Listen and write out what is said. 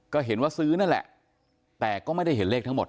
ก็เห็นว่าซื้อนั่นแหละแต่ก็ไม่ได้เห็นเลขทั้งหมด